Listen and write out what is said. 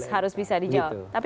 harus bisa dijawab